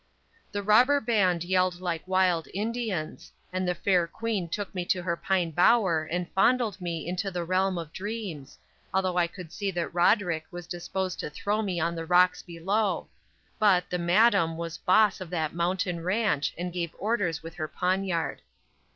The robber band yelled like wild Indians, and the fair queen took me to her pine bower and fondled me into the realm of dreams, although I could see that Roderick was disposed to throw me on the rocks below but, the "madam" was "boss" of that mountain ranch and gave orders with her poniard.